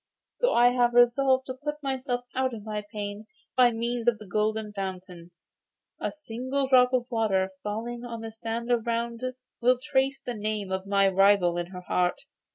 So I have resolved to put myself out of my pain by means of the Golden Fountain. A single drop of its water falling on the sand around will trace the name of my rival in her heart.